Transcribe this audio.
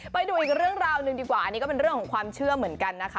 ไปดูอีกเรื่องราวหนึ่งดีกว่าอันนี้ก็เป็นเรื่องของความเชื่อเหมือนกันนะคะ